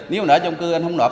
nếu nỡ chung cư anh không nộp